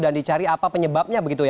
dan dicari apa penyebabnya begitu